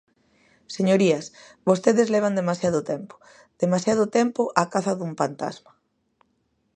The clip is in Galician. Señorías, vostedes levan demasiado tempo, demasiado tempo á caza dun pantasma.